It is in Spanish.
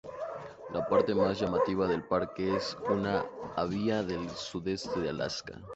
La parte más llamativa del parque es una bahía del sudeste de Alaska.